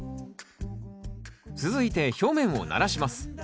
続いて表面をならします。